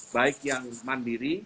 baik yang mandiri